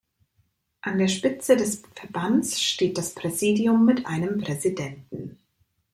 An der Spitze des Verbands steht das Präsidium mit einem Präsidenten.